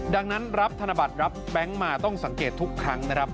ดังนั้นรับธนบัตรรับแบงค์มาต้องสังเกตทุกครั้งนะครับ